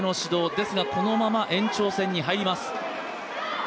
ですが、このまま延長戦に入ります。